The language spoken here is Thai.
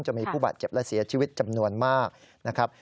มีผู้บาดเจ็บและเสียชีวิตจำนวนมากนะครับ